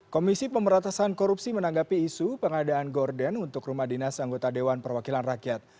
komisi pemeratasan korupsi menanggapi isu pengadaan gorden untuk rumah dinas anggota dewan perwakilan rakyat